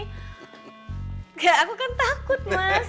enggak aku kan takut mas